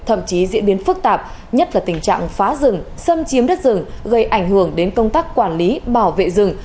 thậm chí diễn biến phức tạp nhất là tình trạng phá rừng xâm chiếm đất rừng gây ảnh hưởng đến công tác quản lý bảo vệ rừng